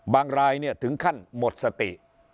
รายเนี่ยถึงขั้นหมดสติ